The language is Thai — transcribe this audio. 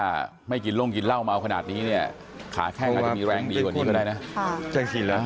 ถ้าไม่กินล่มกินเหล้าเมาขนาดนี้ขาแข้งมันจะมีแรงดีกว่านี้ก็ได้นะ